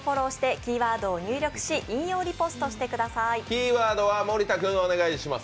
キーワードは森田君お願いします。